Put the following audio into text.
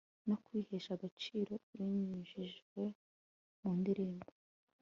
no kwihehsa agaciro binyujijwe mu ndirimbo